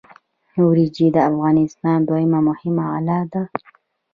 وریجې د افغانستان دویمه مهمه غله ده.